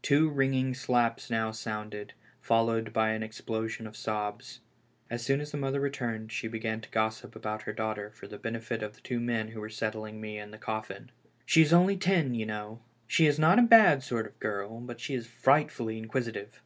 Two ringing slaps now sounded, followed by an explosion of sobs. As soon as the mother returned she began to gossip about her daughter for the benefit of the two men who were settling me in the coffin. " She is only ten, you know. She is not a bad sort of a girl, but she is frightfully inquisitive.